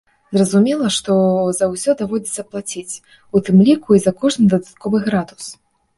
Зразумела, што за ўсё даводзіцца плаціць, у тым ліку і за кожны дадатковы градус.